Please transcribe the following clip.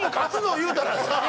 言うたらさ。